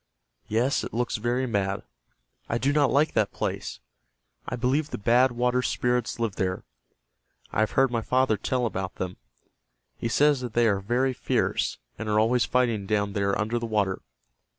Yes, it looks very mad. I do not like that place. I believe the Bad Water Spirits live there. I have heard my father tell about them. He says that they are very fierce, and are always fighting down there under the water.